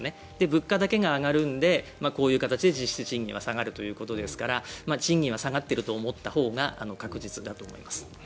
物価だけが上がるのでこういう形で実質賃金は下がるということですから賃金は下がっていると思ったほうが確実だと思います。